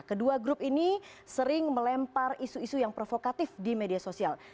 kedua grup ini sering melempar isu isu yang provokatif di media sosial